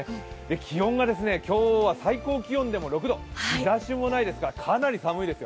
気温が今日は最高気温でも６度、日ざしもないですからかなり寒いですよ。